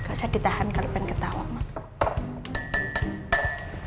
nggak usah ditahan kalau pengen ketawa mak